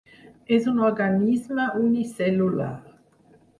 És un organisme unicel·lular.